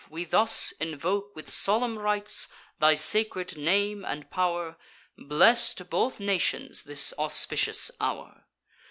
we thus invoke, With solemn rites, thy sacred name and pow'r; Bless to both nations this auspicious hour!